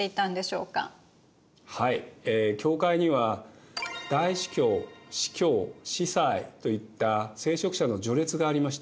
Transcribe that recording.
はい教会には大司教司教司祭といった聖職者の序列がありました。